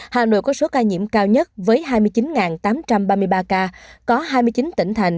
hà nội có số ca nhiễm cao nhất với hai mươi chín tám trăm ba mươi ba ca có hai mươi chín tỉnh thành